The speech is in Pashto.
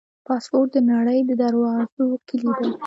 پاسپورټ د نړۍ د دروازو کلي ده.